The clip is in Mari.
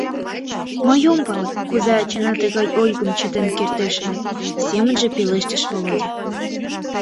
— Мый ом пале, кузе ачана тыгай ойгым чытен кертеш ыле, — семынже пелештыш Володя.